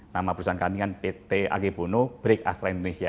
nama perusahaan kami kan pt ag puno brick astra indonesia